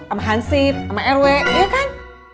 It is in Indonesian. sama hansib sama rw ya kan